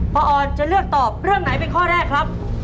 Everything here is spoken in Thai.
ออนจะเลือกตอบเรื่องไหนเป็นข้อแรกครับ